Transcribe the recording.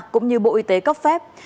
cũng như bộ y tế cấp phép